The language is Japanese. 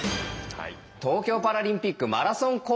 東京パラリンピックマラソンコース